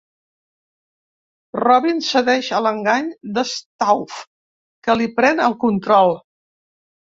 Robin cedeix a l'engany de Stauf, que li pren el control.